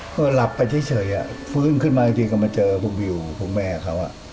ก็หลับไปเฉยฟื้นขึ้นมาจริงก็มาเจอพวกวิวพวกแม่เขา